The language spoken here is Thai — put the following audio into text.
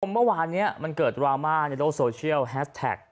เมื่อวานนี้มันเกิดดราม่าในโลกโซเชียลแฮสแท็ก